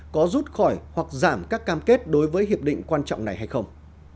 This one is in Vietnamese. có rút khỏi hoặc giảm các cam kết đối với hiệp định quan trọng này hay không